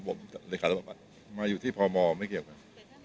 ผมรายการสรรพัฒน์มาอยู่ที่พมไม่เกี่ยวกัน